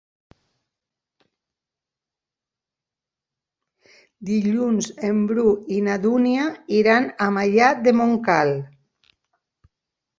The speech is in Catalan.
Dilluns en Bru i na Dúnia iran a Maià de Montcal.